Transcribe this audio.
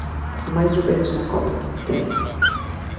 Máis sorpresas na Copa, Terio.